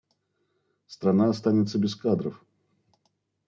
Страна останется без кадров!